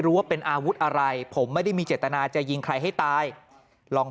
ว่าเป็นอาวุธอะไรผมไม่ได้มีเจตนาจะยิงใครให้ตายลอง